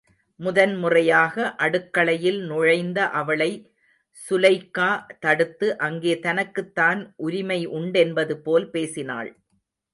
முதன் முறையாக அடுக்களையில் நுழைந்த அவளை சுலெய்க்கா தடுத்து, அங்கே தனக்குத்தான் உரிமை உண்டென்பது போல் பேசினாள்.